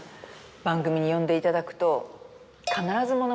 番組に呼んでいただくと。